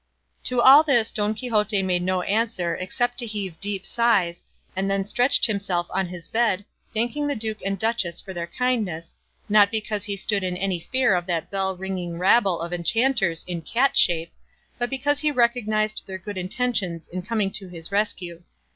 To all this Don Quixote made no answer except to heave deep sighs, and then stretched himself on his bed, thanking the duke and duchess for their kindness, not because he stood in any fear of that bell ringing rabble of enchanters in cat shape, but because he recognised their good intentions in coming to his rescue.